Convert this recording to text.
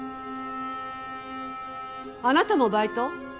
あなたもバイト？